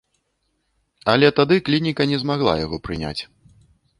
Але тады клініка не змагла яго прыняць.